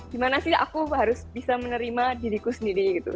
gimana sih aku harus bisa menerima diriku sendiri gitu